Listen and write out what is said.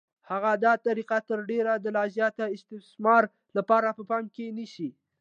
هغه دا طریقه تر ډېره د لا زیات استثمار لپاره په پام کې نیسي